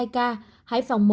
hai ca hải phòng